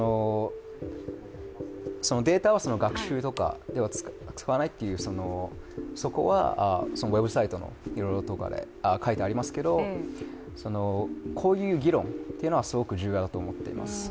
データは学習とかには使わないという、そこはウェブサイトとかに書いてありますけどこういう議論というのはすごく重要だと思っています。